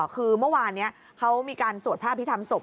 คือเมื่อวานนี้เขามีการสวดภาพที่ทำศพ